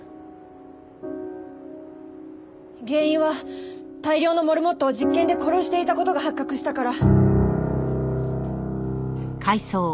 原因は大量のモルモットを実験で殺していた事が発覚したから。